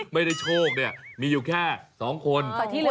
ไม่ได้โชคเนี่ยมีอยู่แค่๒คน